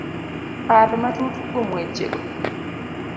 Par matut kuom wechego.